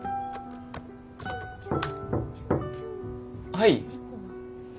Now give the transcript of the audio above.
はい。